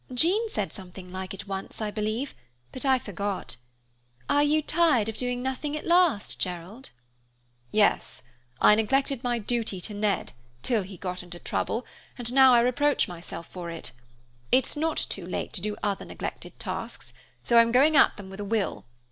Jean said something like it once, I believe, but I forgot. Are you tired of doing nothing, at last, Gerald?" "Yes, I neglected my duty to Ned, till he got into trouble, and now I reproach myself for it. It's not too late to do other neglected tasks, so I'm going at them with a will.